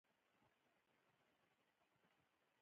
هغه لیک یې کټ مټ لارډ مایو ته واستاوه.